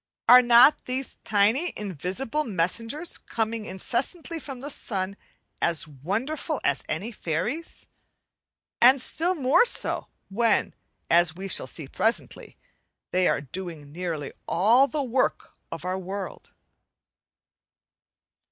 Are not these tiny invisible messengers coming incessantly from the sun as wonderful as any fairies? and still more so when, as we shall see presently, they are doing nearly all the work of our world.